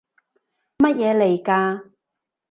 乜嘢嚟㗎？